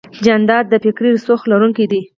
جانداد د فکري رسوخ لرونکی دی.